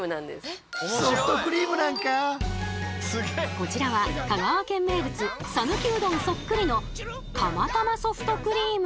こちらは香川県名物さぬきうどんそっくりのかまたまソフトクリーム。